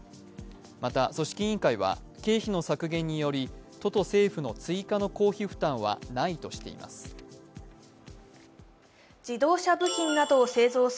また、組織委員会は経費の削減により都と政府の追加の公費負担はないとしています。